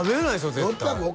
絶対６００